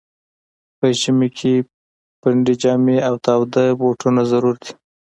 په ژمي کي پنډي جامې او تاوده بوټونه ضرور دي.